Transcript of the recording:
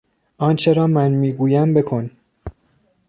آنچه را من میگویم بکن.